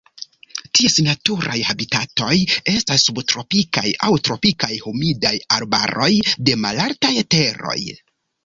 Ties naturaj habitatoj estas subtropikaj aŭ tropikaj humidaj arbaroj de malaltaj teroj.